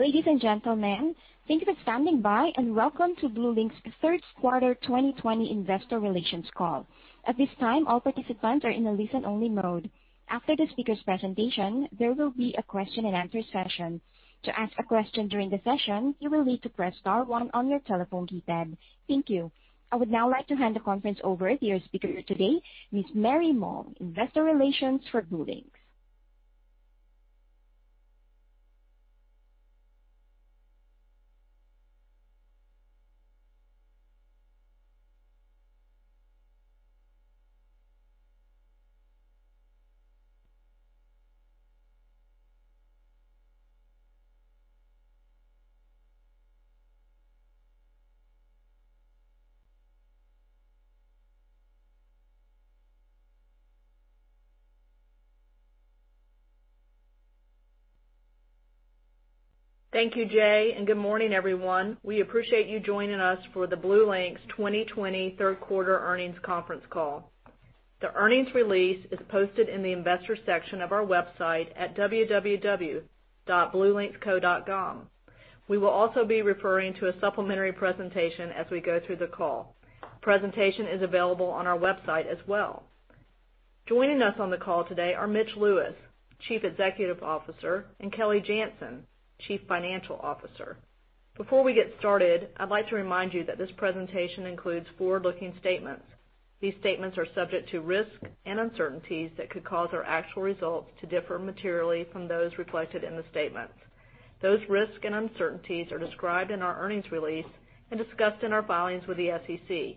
Ladies and gentlemen, thank you for standing by, and welcome to BlueLinx's third quarter 2020 investor relations call. At this time, all participants are in a listen-only mode. After the speaker's presentation, there will be a question and answer session. To ask a question during the session, you will need to press star one on your telephone key pad. Thank you. I would now like to hand the conference over to your speaker today, Ms. Mary Moll, investor relations for BlueLinx. Thank you, Jay, and good morning, everyone. We appreciate you joining us for the BlueLinx 2020 third quarter earnings conference call. The earnings release is posted in the investor section of our website at www.bluelinxco.com. We will also be referring to a supplementary presentation as we go through the call. Presentation is available on our website as well. Joining us on the call today are Mitch Lewis, Chief Executive Officer, and Kelly Janzen, Chief Financial Officer. Before we get started, I'd like to remind you that this presentation includes forward-looking statements. These statements are subject to risks and uncertainties that could cause our actual results to differ materially from those reflected in the statements. Those risks and uncertainties are described in our earnings release and discussed in our filings with the SEC.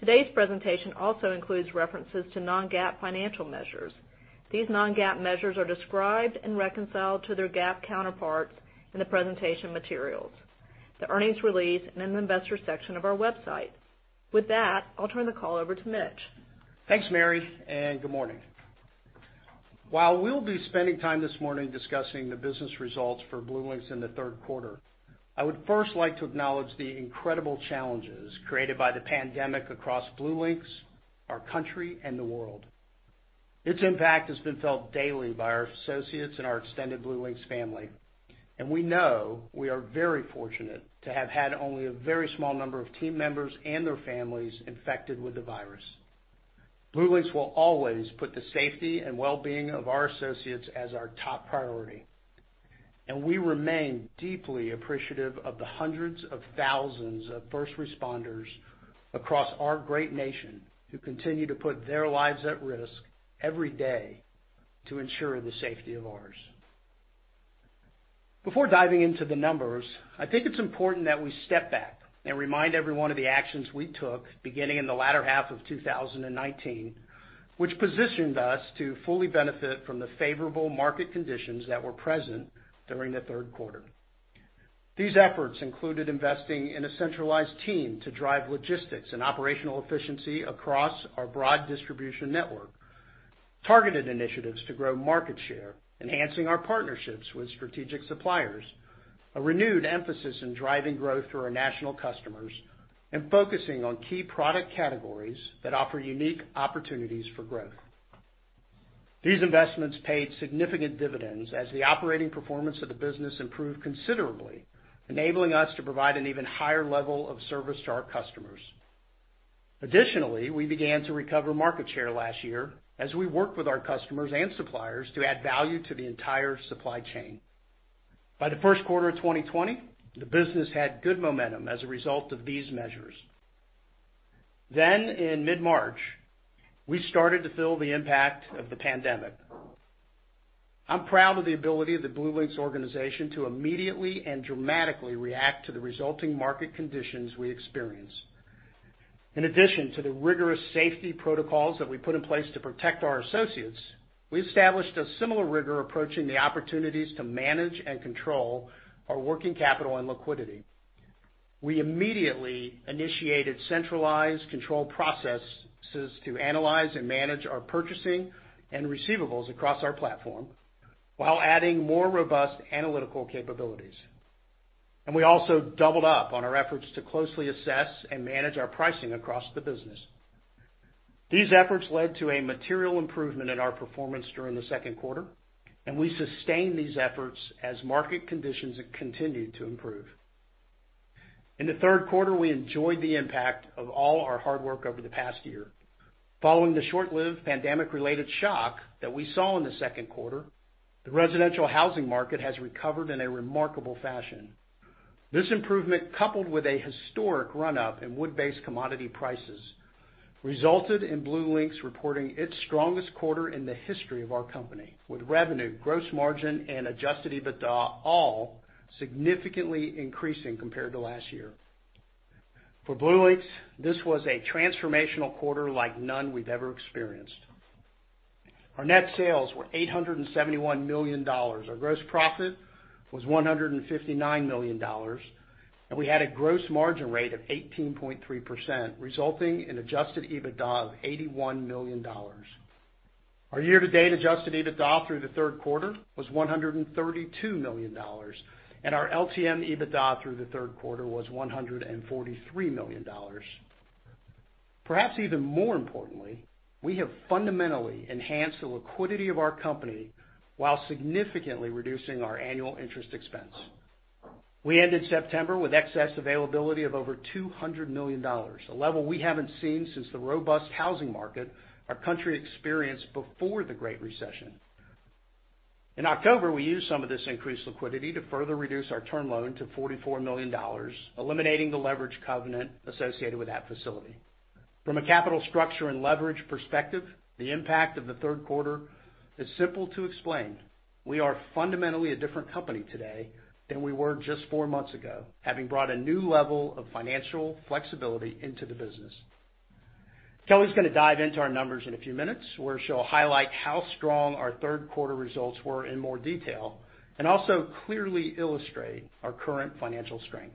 Today's presentation also includes references to non-GAAP financial measures. These non-GAAP measures are described and reconciled to their GAAP counterparts in the presentation materials, the earnings release, and in the investor section of our website. With that, I'll turn the call over to Mitch. Thanks, Mary. Good morning. While we'll be spending time this morning discussing the business results for BlueLinx in the third quarter, I would first like to acknowledge the incredible challenges created by the pandemic across BlueLinx, our country, and the world. Its impact has been felt daily by our associates and our extended BlueLinx family. We know we are very fortunate to have had only a very small number of team members and their families infected with the virus. BlueLinx will always put the safety and wellbeing of our associates as our top priority. We remain deeply appreciative of the hundreds of thousands of first responders across our great nation who continue to put their lives at risk every day to ensure the safety of ours. Before diving into the numbers, I think it's important that we step back and remind everyone of the actions we took beginning in the latter half of 2019, which positioned us to fully benefit from the favorable market conditions that were present during the third quarter. These efforts included investing in a centralized team to drive logistics and operational efficiency across our broad distribution network, targeted initiatives to grow market share, enhancing our partnerships with strategic suppliers, a renewed emphasis in driving growth through our national customers, and focusing on key product categories that offer unique opportunities for growth. These investments paid significant dividends as the operating performance of the business improved considerably, enabling us to provide an even higher level of service to our customers. Additionally, we began to recover market share last year as we worked with our customers and suppliers to add value to the entire supply chain. By the first quarter of 2020, the business had good momentum as a result of these measures. In mid-March, we started to feel the impact of the pandemic. I am proud of the ability of the BlueLinx organization to immediately and dramatically react to the resulting market conditions we experienced. In addition to the rigorous safety protocols that we put in place to protect our associates, we established a similar rigor approaching the opportunities to manage and control our working capital and liquidity. We immediately initiated centralized control processes to analyze and manage our purchasing and receivables across our platform while adding more robust analytical capabilities. We also doubled up on our efforts to closely assess and manage our pricing across the business. These efforts led to a material improvement in our performance during the second quarter. We sustained these efforts as market conditions continued to improve. In the third quarter, we enjoyed the impact of all our hard work over the past year. Following the short-lived pandemic-related shock that we saw in the second quarter, the residential housing market has recovered in a remarkable fashion. This improvement, coupled with a historic run-up in wood-based commodity prices, resulted in BlueLinx reporting its strongest quarter in the history of our company with revenue, gross margin, and adjusted EBITDA all significantly increasing compared to last year. For BlueLinx, this was a transformational quarter like none we've ever experienced. Our net sales were $871 million. Our gross profit was $159 million, and we had a gross margin rate of 18.3%, resulting in adjusted EBITDA of $81 million. Our year-to-date adjusted EBITDA through the third quarter was $132 million, and our LTM EBITDA through the third quarter was $143 million. Perhaps even more importantly, we have fundamentally enhanced the liquidity of our company while significantly reducing our annual interest expense. We ended September with excess availability of over $200 million, a level we haven't seen since the robust housing market our country experienced before the Great Recession. In October, we used some of this increased liquidity to further reduce our term loan to $44 million, eliminating the leverage covenant associated with that facility. From a capital structure and leverage perspective, the impact of the third quarter is simple to explain. We are fundamentally a different company today than we were just four months ago, having brought a new level of financial flexibility into the business. Kelly's going to dive into our numbers in a few minutes, where she'll highlight how strong our third quarter results were in more detail and also clearly illustrate our current financial strength.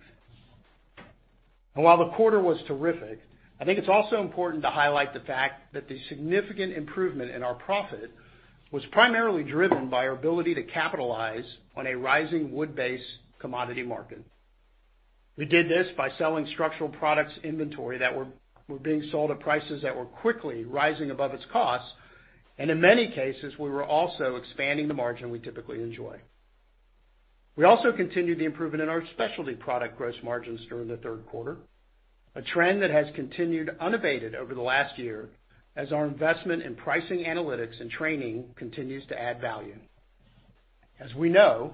While the quarter was terrific, I think it's also important to highlight the fact that the significant improvement in our profit was primarily driven by our ability to capitalize on a rising wood-based commodity market. We did this by selling structural products inventory that were being sold at prices that were quickly rising above its cost, and in many cases, we were also expanding the margin we typically enjoy. We also continued the improvement in our specialty product gross margins during the third quarter, a trend that has continued unabated over the last year as our investment in pricing analytics and training continues to add value. As we know,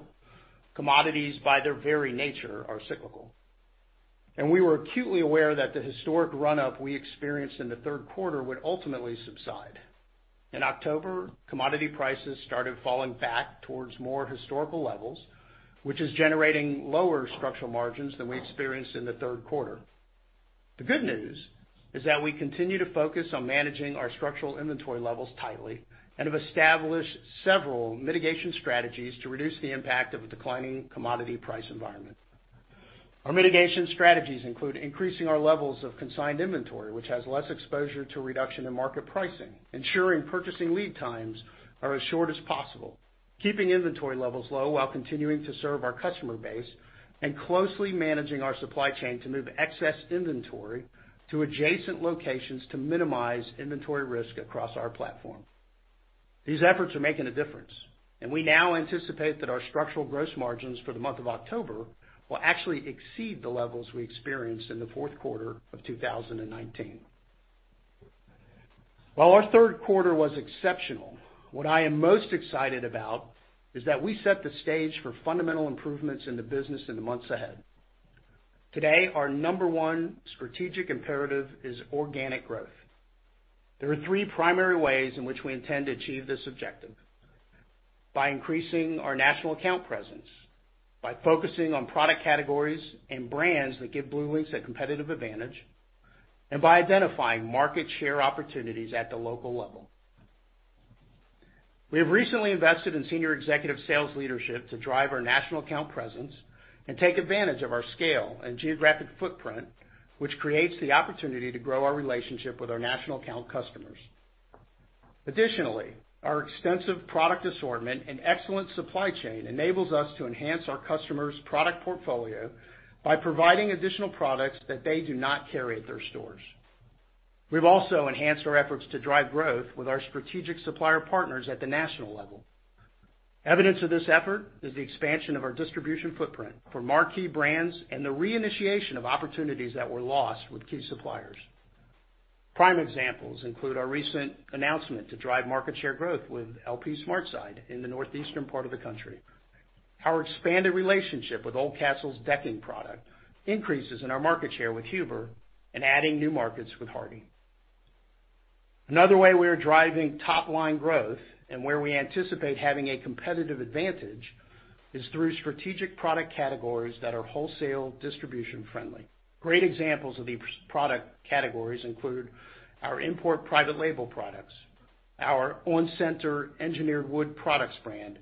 commodities, by their very nature, are cyclical, and we were acutely aware that the historic run-up we experienced in the third quarter would ultimately subside. In October, commodity prices started falling back towards more historical levels, which is generating lower structural margins than we experienced in the third quarter. The good news is that we continue to focus on managing our structural inventory levels tightly and have established several mitigation strategies to reduce the impact of a declining commodity price environment. Our mitigation strategies include increasing our levels of consigned inventory, which has less exposure to reduction in market pricing, ensuring purchasing lead times are as short as possible, keeping inventory levels low while continuing to serve our customer base, and closely managing our supply chain to move excess inventory to adjacent locations to minimize inventory risk across our platform. These efforts are making a difference. We now anticipate that our structural gross margins for the month of October will actually exceed the levels we experienced in the fourth quarter of 2019. While our third quarter was exceptional, what I am most excited about is that we set the stage for fundamental improvements in the business in the months ahead. Today, our number one strategic imperative is organic growth. There are three primary ways in which we intend to achieve this objective: by increasing our national account presence, by focusing on product categories and brands that give BlueLinx a competitive advantage, and by identifying market share opportunities at the local level. We have recently invested in senior executive sales leadership to drive our national account presence and take advantage of our scale and geographic footprint, which creates the opportunity to grow our relationship with our national account customers. Additionally, our extensive product assortment and excellent supply chain enables us to enhance our customers' product portfolio by providing additional products that they do not carry at their stores. We've also enhanced our efforts to drive growth with our strategic supplier partners at the national level. Evidence of this effort is the expansion of our distribution footprint for marquee brands and the reinitiation of opportunities that were lost with key suppliers. Prime examples include our recent announcement to drive market share growth with LP SmartSide in the northeastern part of the country, our expanded relationship with Oldcastle's decking product, increases in our market share with Huber, and adding new markets with Hardie. Another way we are driving top-line growth and where we anticipate having a competitive advantage is through strategic product categories that are wholesale distribution-friendly. Great examples of these product categories include our import private label products, our onCENTER engineered wood products brand,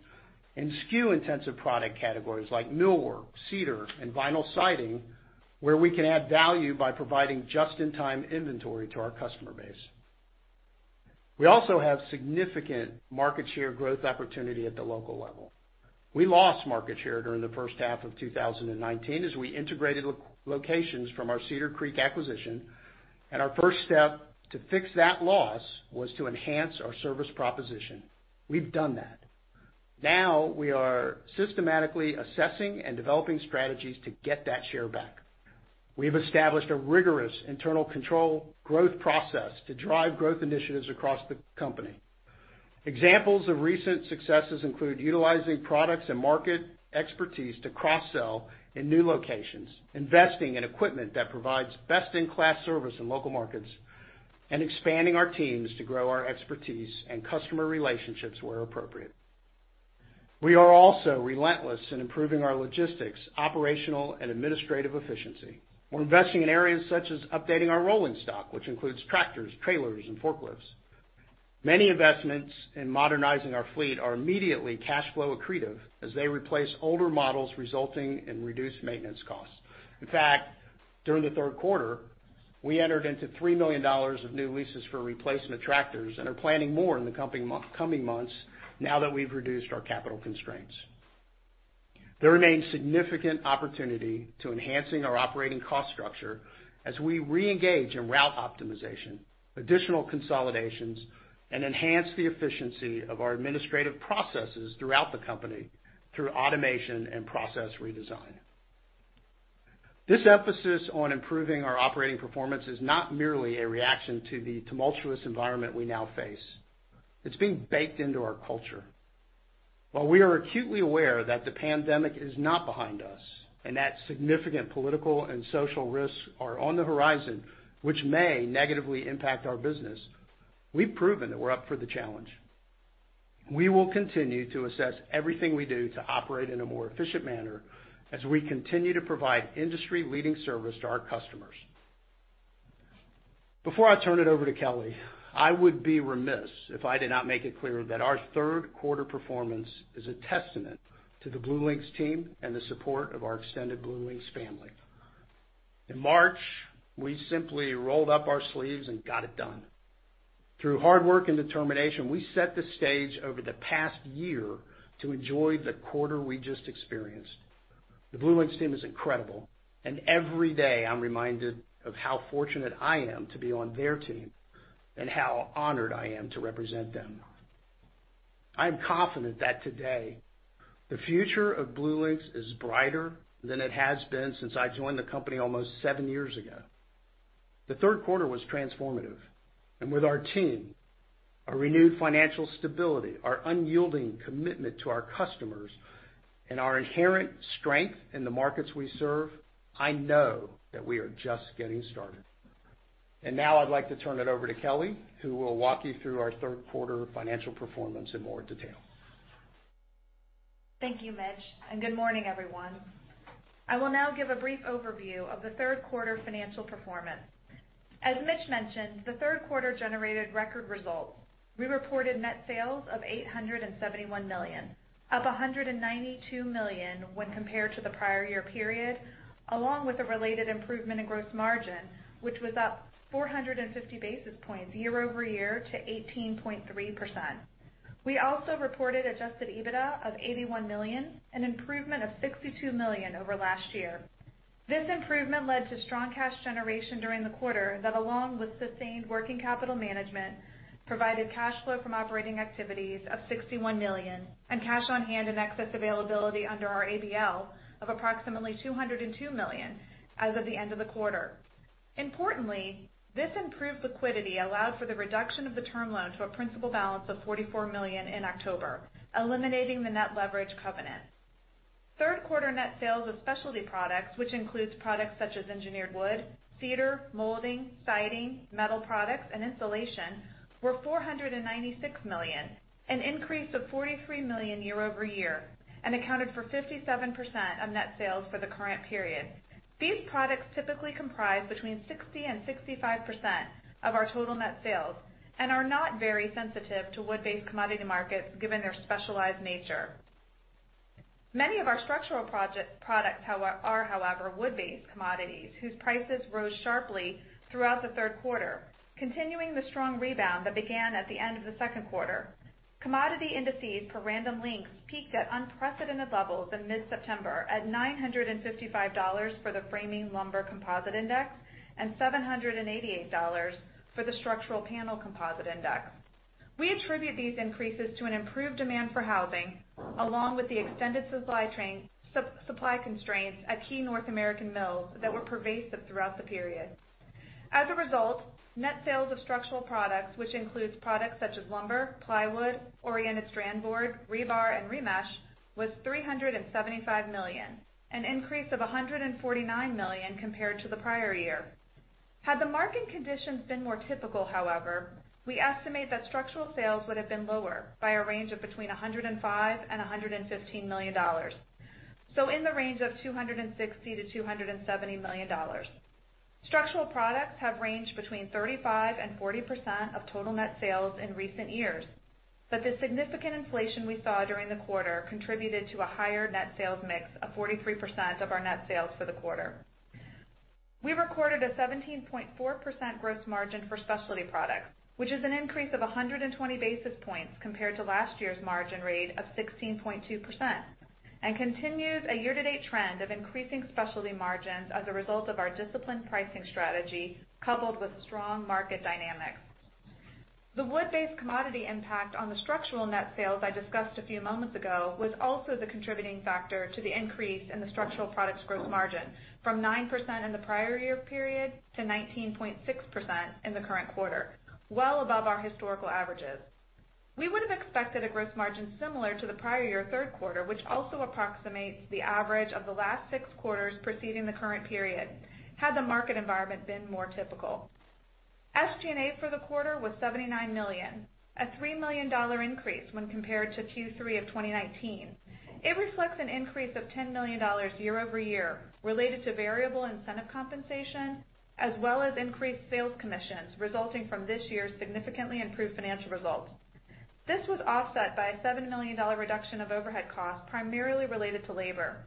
and SKU-intensive product categories like millwork, cedar, and vinyl siding, where we can add value by providing just-in-time inventory to our customer base. We also have significant market share growth opportunity at the local level. We lost market share during the first half of 2019 as we integrated locations from our Cedar Creek acquisition, and our first step to fix that loss was to enhance our service proposition. We've done that. Now we are systematically assessing and developing strategies to get that share back. We've established a rigorous internal control growth process to drive growth initiatives across the company. Examples of recent successes include utilizing products and market expertise to cross-sell in new locations, investing in equipment that provides best-in-class service in local markets, and expanding our teams to grow our expertise and customer relationships where appropriate. We are also relentless in improving our logistics, operational, and administrative efficiency. We're investing in areas such as updating our rolling stock, which includes tractors, trailers, and forklifts. Many investments in modernizing our fleet are immediately cash flow accretive as they replace older models, resulting in reduced maintenance costs. In fact, during the third quarter, we entered into $3 million of new leases for replacement tractors and are planning more in the coming months now that we've reduced our capital constraints. There remains significant opportunity to enhancing our operating cost structure as we reengage in route optimization, additional consolidations, and enhance the efficiency of our administrative processes throughout the company through automation and process redesign. This emphasis on improving our operating performance is not merely a reaction to the tumultuous environment we now face. It's being baked into our culture. While we are acutely aware that the pandemic is not behind us, and that significant political and social risks are on the horizon, which may negatively impact our business, we've proven that we're up for the challenge. We will continue to assess everything we do to operate in a more efficient manner as we continue to provide industry-leading service to our customers. Before I turn it over to Kelly, I would be remiss if I did not make it clear that our third quarter performance is a testament to the BlueLinx team and the support of our extended BlueLinx family. In March, we simply rolled up our sleeves and got it done. Through hard work and determination, we set the stage over the past year to enjoy the quarter we just experienced. The BlueLinx team is incredible, and every day I'm reminded of how fortunate I am to be on their team, and how honored I am to represent them. I am confident that today the future of BlueLinx is brighter than it has been since I joined the company almost seven years ago. The third quarter was transformative, and with our team, our renewed financial stability, our unyielding commitment to our customers, and our inherent strength in the markets we serve, I know that we are just getting started. Now I'd like to turn it over to Kelly, who will walk you through our third quarter financial performance in more detail. Thank you, Mitch, and good morning, everyone. I will now give a brief overview of the third quarter financial performance. As Mitch mentioned, the third quarter generated record results. We reported net sales of $871 million, up $192 million when compared to the prior year period, along with a related improvement in gross margin, which was up 450 basis points year-over-year to 18.3%. We also reported adjusted EBITDA of $81 million, an improvement of $62 million over last year. This improvement led to strong cash generation during the quarter that, along with sustained working capital management, provided cash flow from operating activities of $61 million, and cash on hand and excess availability under our ABL of approximately $202 million as of the end of the quarter. Importantly, this improved liquidity allowed for the reduction of the term loan to a principal balance of $44 million in October, eliminating the net leverage covenant. Third quarter net sales of specialty products, which includes products such as engineered wood, cedar, molding, siding, metal products, and insulation, were $496 million, an increase of $43 million year-over-year, and accounted for 57% of net sales for the current period. These products typically comprise between 60% and 65% of our total net sales, and are not very sensitive to wood-based commodity markets given their specialized nature. Many of our structural products are, however, wood-based commodities, whose prices rose sharply throughout the third quarter, continuing the strong rebound that began at the end of the second quarter. Commodity indices for Random Lengths peaked at unprecedented levels in mid-September at $955 for the framing lumber composite index and $788 for the structural panel composite index. We attribute these increases to an improved demand for housing, along with the extended supply constraints at key North American mills that were pervasive throughout the period. As a result, net sales of structural products, which includes products such as lumber, plywood, oriented strand board, rebar, and remesh, was $375 million, an increase of $149 million compared to the prior year. Had the market conditions been more typical, however, we estimate that structural sales would have been lower by a range of between $105 million and $115 million. In the range of $260 million-$270 million. Structural products have ranged between 35% and 40% of total net sales in recent years. The significant inflation we saw during the quarter contributed to a higher net sales mix of 43% of our net sales for the quarter. We recorded a 17.4% gross margin for specialty products, which is an increase of 120 basis points compared to last year's margin rate of 16.2%, and continues a year-to-date trend of increasing specialty margins as a result of our disciplined pricing strategy, coupled with strong market dynamics. The wood-based commodity impact on the structural net sales I discussed a few moments ago was also the contributing factor to the increase in the structural products gross margin from 9% in the prior year period to 19.6% in the current quarter, well above our historical averages. We would have expected a gross margin similar to the prior year third quarter, which also approximates the average of the last six quarters preceding the current period, had the market environment been more typical. SG&A for the quarter was $79 million, a $3 million increase when compared to Q3 of 2019. It reflects an increase of $10 million year-over-year related to variable incentive compensation, as well as increased sales commissions resulting from this year's significantly improved financial results. This was offset by a $7 million reduction of overhead costs, primarily related to labor.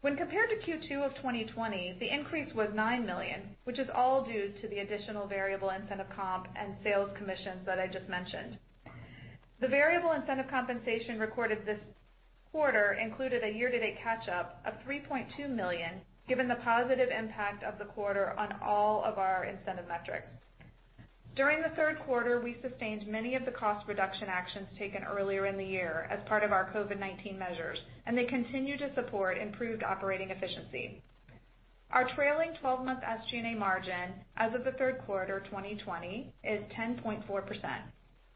When compared to Q2 of 2020, the increase was $9 million, which is all due to the additional variable incentive comp and sales commissions that I just mentioned. The variable incentive compensation recorded this quarter included a year-to-date catch-up of $3.2 million, given the positive impact of the quarter on all of our incentive metrics. During the third quarter, we sustained many of the cost reduction actions taken earlier in the year as part of our COVID-19 measures, and they continue to support improved operating efficiency. Our trailing 12-month SG&A margin as of the third quarter 2020 is 10.4%,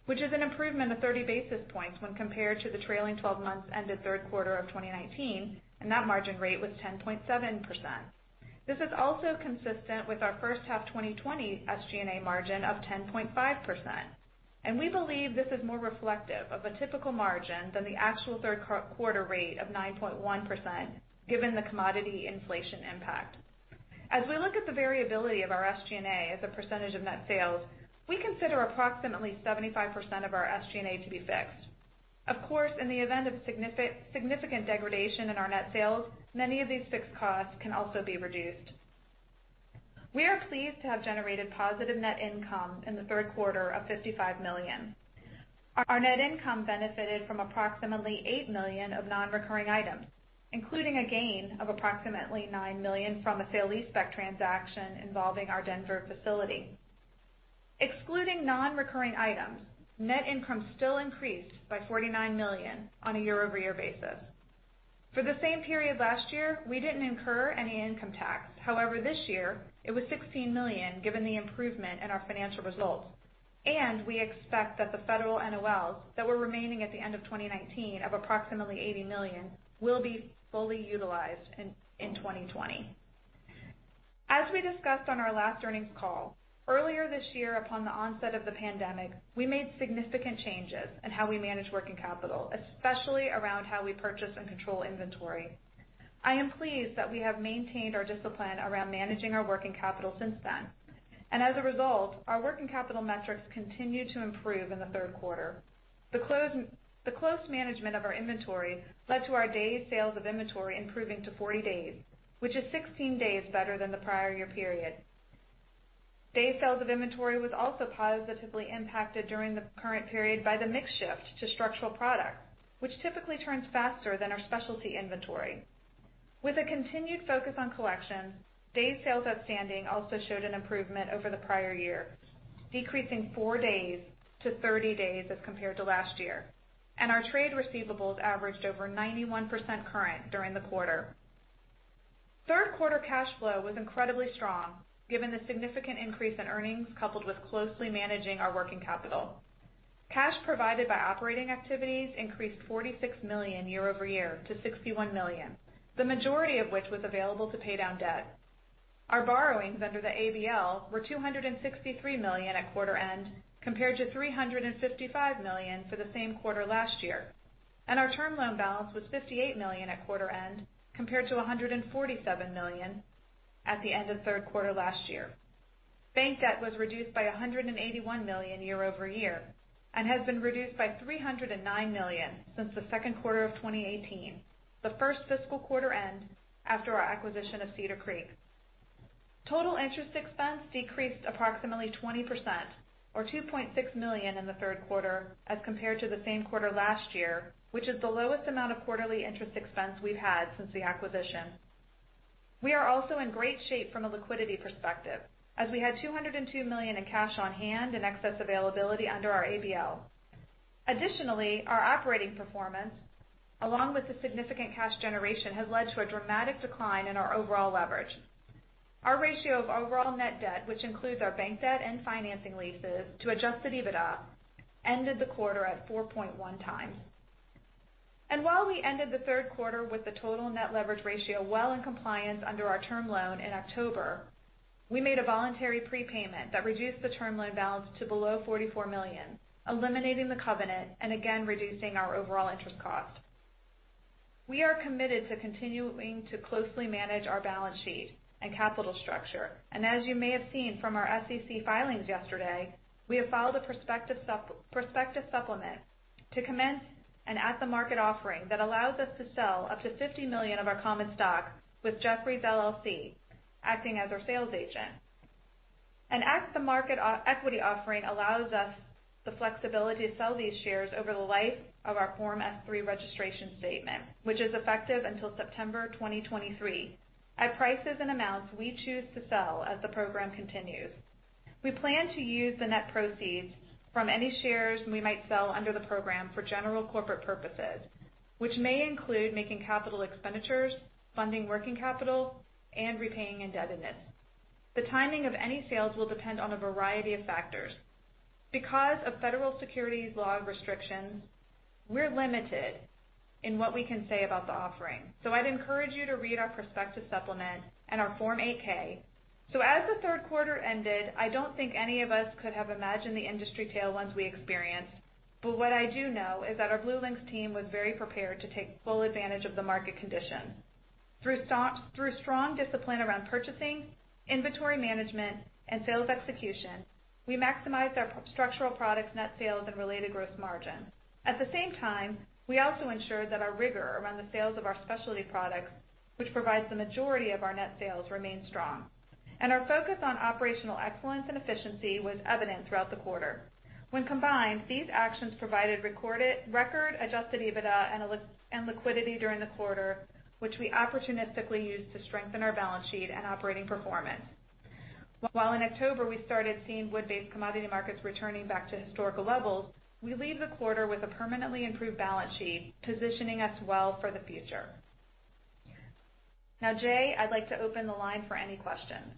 which is an improvement of 30 basis points when compared to the trailing 12 months ended third quarter of 2019, and that margin rate was 10.7%. This is also consistent with our first half 2020 SG&A margin of 10.5%, and we believe this is more reflective of a typical margin than the actual third quarter rate of 9.1%, given the commodity inflation impact. As we look at the variability of our SG&A as a percentage of net sales, we consider approximately 75% of our SG&A to be fixed. Of course, in the event of significant degradation in our net sales, many of these fixed costs can also be reduced. We are pleased to have generated positive net income in the third quarter of $55 million. Our net income benefited from approximately $8 million of non-recurring items, including a gain of approximately $9 million from a sale-leaseback transaction involving our Denver facility. Excluding non-recurring items, net income still increased by $49 million on a year-over-year basis. For the same period last year, we didn't incur any income tax. However, this year it was $16 million, given the improvement in our financial results, and we expect that the federal NOLs that were remaining at the end of 2019 of approximately $80 million will be fully utilized in 2020. As we discussed on our last earnings call, earlier this year upon the onset of the pandemic, we made significant changes in how we manage working capital, especially around how we purchase and control inventory. I am pleased that we have maintained our discipline around managing our working capital since then. As a result, our working capital metrics continued to improve in the third quarter. The close management of our inventory led to our days sales of inventory improving to 40 days, which is 16 days better than the prior-year period. Days sales of inventory was also positively impacted during the current period by the mix shift to structural products, which typically turns faster than our specialty inventory. With a continued focus on collections, days sales outstanding also showed an improvement over the prior-year, decreasing four days to 30 days as compared to last year. Our trade receivables averaged over 91% current during the quarter. Third quarter cash flow was incredibly strong given the significant increase in earnings coupled with closely managing our working capital. Cash provided by operating activities increased $46 million year-over-year to $61 million, the majority of which was available to pay down debt. Our borrowings under the ABL were $263 million at quarter end, compared to $355 million for the same quarter last year, and our term loan balance was $58 million at quarter end, compared to $147 million at the end of third quarter last year. Bank debt was reduced by $181 million year-over-year and has been reduced by $309 million since the second quarter of 2018, the first fiscal quarter end after our acquisition of Cedar Creek. Total interest expense decreased approximately 20% or $2.6 million in the third quarter as compared to the same quarter last year, which is the lowest amount of quarterly interest expense we've had since the acquisition. We are also in great shape from a liquidity perspective as we had $202 million in cash on hand and excess availability under our ABL. Additionally, our operating performance, along with the significant cash generation, has led to a dramatic decline in our overall leverage. Our ratio of overall net debt, which includes our bank debt and financing leases to adjusted EBITDA, ended the quarter at 4.1 times. While we ended the third quarter with the total net leverage ratio well in compliance under our term loan in October, we made a voluntary prepayment that reduced the term loan balance to below $44 million, eliminating the covenant and again reducing our overall interest cost. We are committed to continuing to closely manage our balance sheet and capital structure. As you may have seen from our SEC filings yesterday, we have filed a prospectus supplement to commence an at the market offering that allows us to sell up to $50 million of our common stock with Jefferies LLC acting as our sales agent. An at the market equity offering allows us the flexibility to sell these shares over the life of our Form S-3 registration statement, which is effective until September 2023, at prices and amounts we choose to sell as the program continues. We plan to use the net proceeds from any shares we might sell under the program for general corporate purposes, which may include making capital expenditures, funding working capital, and repaying indebtedness. The timing of any sales will depend on a variety of factors. Because of federal securities law restrictions, we're limited in what we can say about the offering. I'd encourage you to read our prospectus supplement and our Form 8-K. As the third quarter ended, I don't think any of us could have imagined the industry tailwinds we experienced. What I do know is that our BlueLinx team was very prepared to take full advantage of the market conditions. Through strong discipline around purchasing, inventory management, and sales execution, we maximize our structural products net sales and related gross margin. At the same time, we also ensure that our rigor around the sales of our specialty products, which provides the majority of our net sales, remain strong. Our focus on operational excellence and efficiency was evident throughout the quarter. When combined, these actions provided record adjusted EBITDA and liquidity during the quarter, which we opportunistically used to strengthen our balance sheet and operating performance. While in October, we started seeing wood-based commodity markets returning back to historical levels, we leave the quarter with a permanently improved balance sheet, positioning us well for the future. Jay, I'd like to open the line for any questions.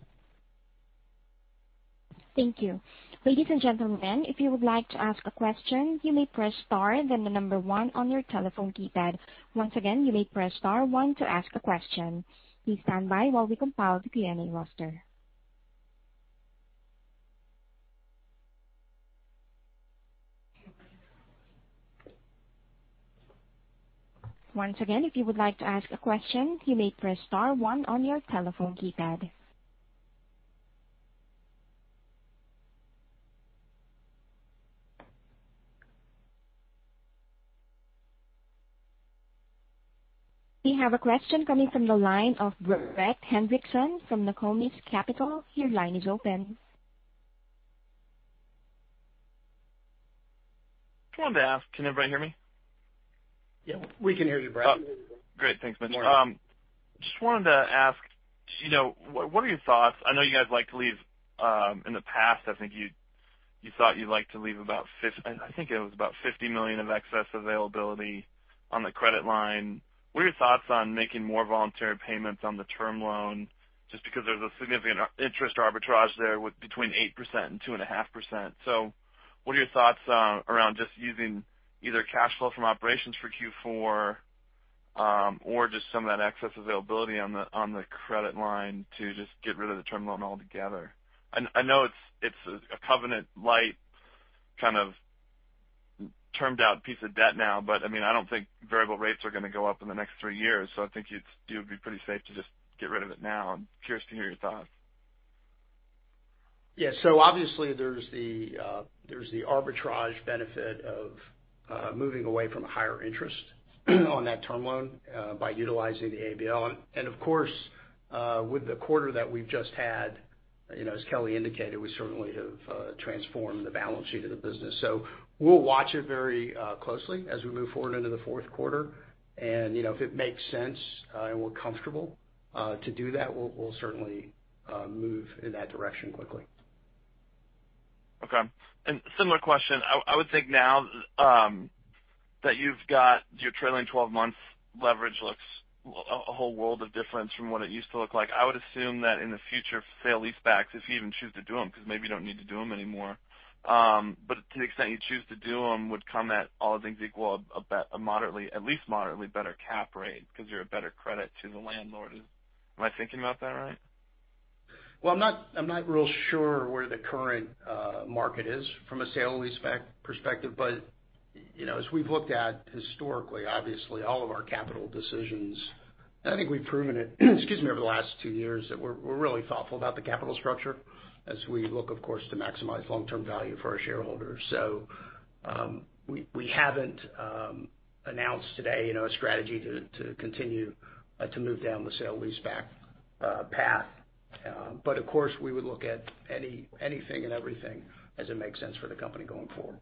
Thank you. Ladies and gentlemen, We have a question coming from the line of Brett Hendrickson from Nokomis Capital. Your line is open. Wanted to ask. Can everybody hear me? Yeah, we can hear you, Brett. Great. Thanks, Mitch. Good morning. Just wanted to ask, what are your thoughts? I know you guys like to leave, in the past, I think you thought you'd like to leave about, I think it was about $50 million of excess availability on the credit line. What are your thoughts on making more voluntary payments on the term loan just because there's a significant interest arbitrage there with between 8% and 2.5%? What are your thoughts around just using either cash flow from operations for Q4 or just some of that excess availability on the credit line to just get rid of the term loan altogether? I know it's a covenant-light kind of termed-out piece of debt now, but I don't think variable rates are going to go up in the next three years. I think you'd be pretty safe to just get rid of it now. I'm curious to hear your thoughts. Yeah. Obviously, there's the arbitrage benefit of moving away from a higher interest on that term loan by utilizing the ABL. Of course, with the quarter that we've just had, as Kelly indicated, we certainly have transformed the balance sheet of the business. We'll watch it very closely as we move forward into the fourth quarter. If it makes sense and we're comfortable to do that, we'll certainly move in that direction quickly. Okay. Similar question, I would think now that you've got your trailing 12 months leverage looks a whole world of difference from what it used to look like. I would assume that in the future, sale-leasebacks, if you even choose to do them, because maybe you don't need to do them anymore. To the extent you choose to do them, would come at all things equal, at least a moderately better cap rate because you're a better credit to the landlord. Am I thinking about that right? Well, I'm not real sure where the current market is from a sale leaseback perspective. As we've looked at historically, obviously all of our capital decisions, and I think we've proven it, excuse me, over the last two years that we're really thoughtful about the capital structure as we look, of course, to maximize long-term value for our shareholders. We haven't announced today a strategy to continue to move down the sale leaseback path. Of course, we would look at anything and everything as it makes sense for the company going forward.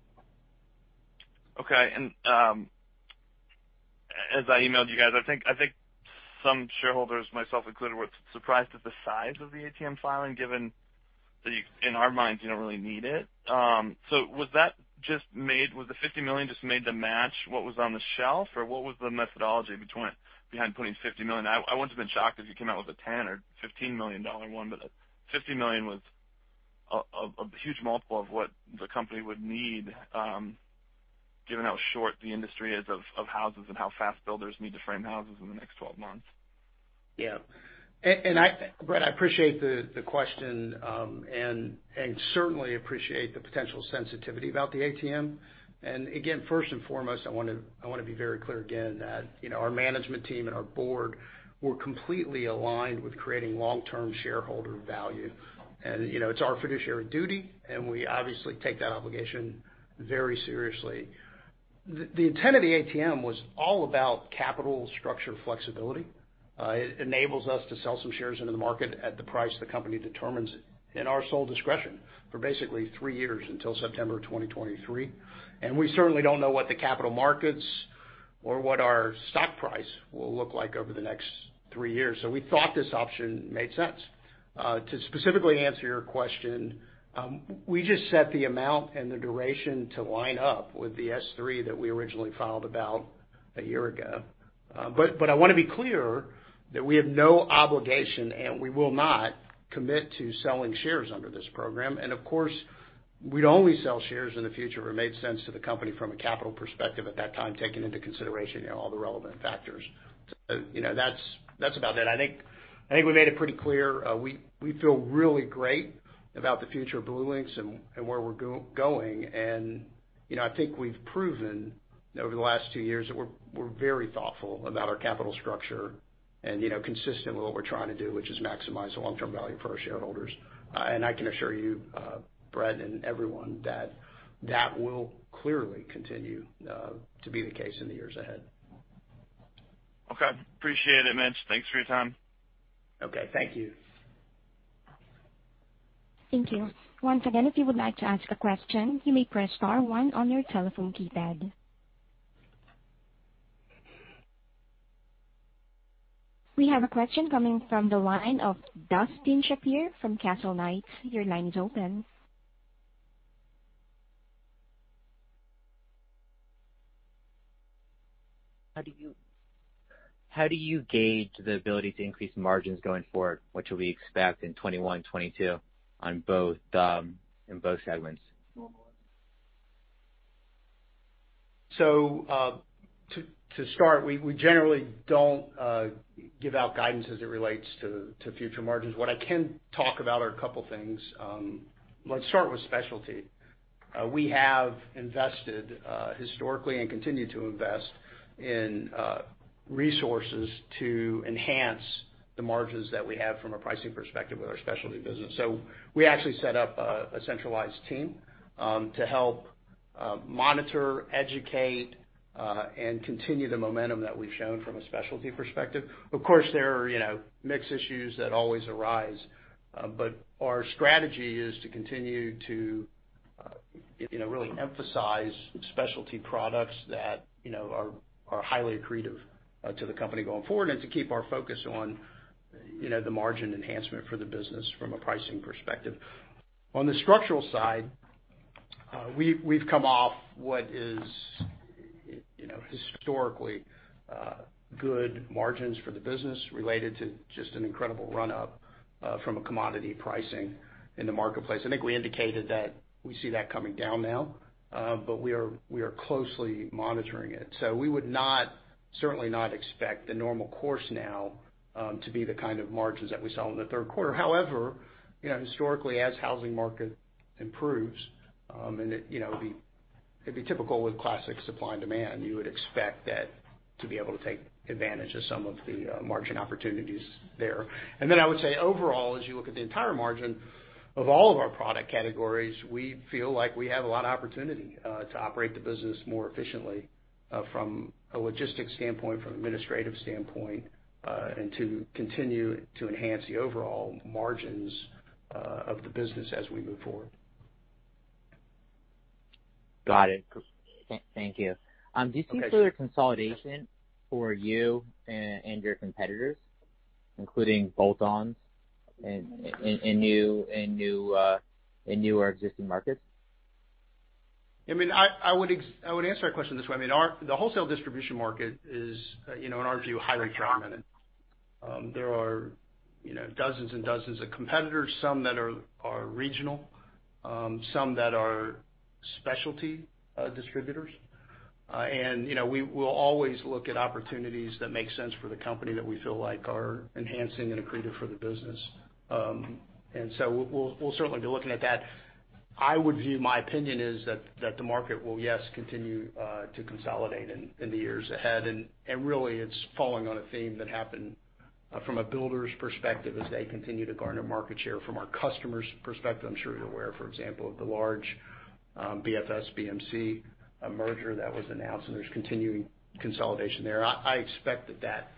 Okay. As I emailed you guys, I think some shareholders, myself included, were surprised at the size of the ATM filing, given that in our minds, you don't really need it. Was the $50 million just made to match what was on the shelf? What was the methodology behind putting $50 million? I wouldn't have been shocked if you came out with a $10 million or $15 million one, but $50 million was a huge multiple of what the company would need, given how short the industry is of houses and how fast builders need to frame houses in the next 12 months. Yeah. Brett, I appreciate the question, and certainly appreciate the potential sensitivity about the ATM. Again, first and foremost, I want to be very clear again that our management team and our board were completely aligned with creating long-term shareholder value. It's our fiduciary duty, and we obviously take that obligation very seriously. The intent of the ATM was all about capital structure flexibility. It enables us to sell some shares into the market at the price the company determines in our sole discretion for basically three years until September 2023. We certainly don't know what the capital markets or what our stock price will look like over the next three years. We thought this option made sense. To specifically answer your question, we just set the amount and the duration to line up with the S-3 that we originally filed about a year ago. I want to be clear that we have no obligation, and we will not commit to selling shares under this program. Of course, we'd only sell shares in the future if it made sense to the company from a capital perspective at that time, taking into consideration all the relevant factors. That's about it. I think we made it pretty clear. We feel really great about the future of BlueLinx and where we're going. I think we've proven over the last two years that we're very thoughtful about our capital structure and consistent with what we're trying to do, which is maximize the long-term value for our shareholders. I can assure you, Brett, and everyone that that will clearly continue to be the case in the years ahead. Okay. Appreciate it, Mitch. Thanks for your time. Okay. Thank you. Thank you. Once again, if you would like to ask a question, you may press star one on your telephone keypad. We have a question coming from the line of Dustin Shapir from CastleKnight. Your line is open. How do you gauge the ability to increase margins going forward? What should we expect in 2021, 2022 in both segments? To start, we generally don't give out guidance as it relates to future margins. What I can talk about are a couple of things. Let's start with specialty. We have invested historically and continue to invest in resources to enhance the margins that we have from a pricing perspective with our specialty business. We actually set up a centralized team, to help monitor, educate, and continue the momentum that we've shown from a specialty perspective. Of course, there are mix issues that always arise. Our strategy is to continue to really emphasize specialty products that are highly accretive to the company going forward and to keep our focus on the margin enhancement for the business from a pricing perspective. On the structural side, we've come off what is historically good margins for the business related to just an incredible run-up from a commodity pricing in the marketplace. I think we indicated that we see that coming down now, but we are closely monitoring it. We would certainly not expect the normal course now to be the kind of margins that we saw in the third quarter. However, historically, as housing market improves, and it'd be typical with classic supply and demand, you would expect that to be able to take advantage of some of the margin opportunities there. I would say, overall, as you look at the entire margin of all of our product categories, we feel like we have a lot of opportunity to operate the business more efficiently, from a logistics standpoint, from an administrative standpoint, and to continue to enhance the overall margins of the business as we move forward. Got it. Thank you. Okay. Do you see further consolidation for you and your competitors, including bolt-ons in new or existing markets? I would answer that question this way. The wholesale distribution market is, in our view, highly fragmented. There are dozens and dozens of competitors, some that are regional, some that are specialty distributors. We'll always look at opportunities that make sense for the company that we feel like are enhancing and accretive for the business. We'll certainly be looking at that. My opinion is that the market will, yes, continue to consolidate in the years ahead. Really, it's falling on a theme that happened from a builder's perspective as they continue to garner market share. From our customer's perspective, I'm sure you're aware, for example, of the large BFS BMC merger that was announced, and there's continuing consolidation there. I expect that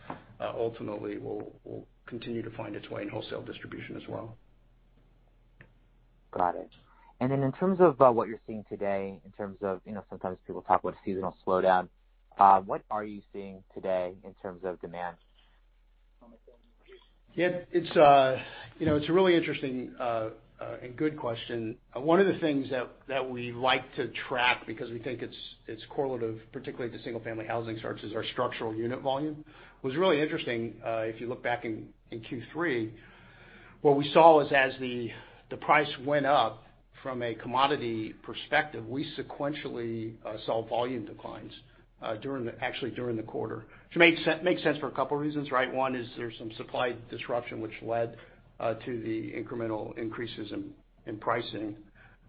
ultimately will continue to find its way in wholesale distribution as well. Got it. In terms of what you're seeing today, in terms of sometimes people talk about seasonal slowdown, what are you seeing today in terms of demand? Yeah. It's a really interesting and good question. One of the things that we like to track because we think it's correlative, particularly to single-family housing starts, is our structural unit volume. What's really interesting, if you look back in Q3, what we saw was as the price went up from a commodity perspective, we sequentially saw volume declines actually during the quarter. Which makes sense for a couple of reasons, right? One is there's some supply disruption which led to the incremental increases in pricing.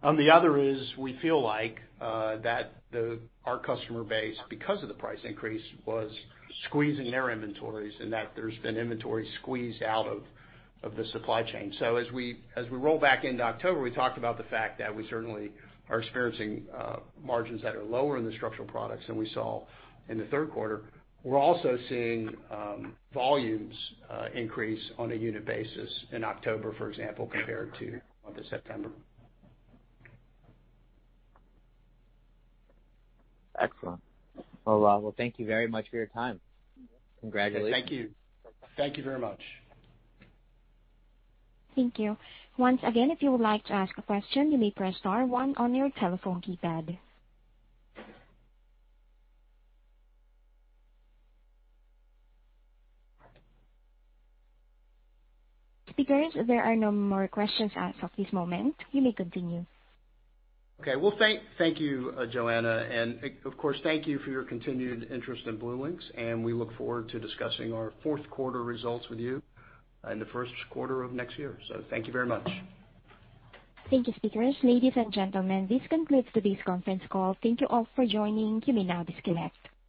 The other is we feel like that our customer base, because of the price increase, was squeezing their inventories and that there's been inventory squeezed out of the supply chain. As we roll back into October, we talked about the fact that we certainly are experiencing margins that are lower in the structural products than we saw in the third quarter. We're also seeing volumes increase on a unit basis in October, for example, compared to September. Excellent. Thank you very much for your time. Congratulations. Thank you. Thank you very much. Thank you. Once again, if you would like to ask a question, you may press star one on your telephone keypad. Speakers, there are no more questions as of this moment. You may continue. Okay. Well, thank you, Joanna. Of course, thank you for your continued interest in BlueLinx, and we look forward to discussing our fourth quarter results with you in the first quarter of next year. Thank you very much. Thank you, speakers. Ladies and gentlemen, this concludes today's conference call. Thank you all for joining. You may now disconnect.